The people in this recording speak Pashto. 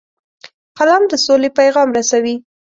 قلم د سولې پیغام رسوي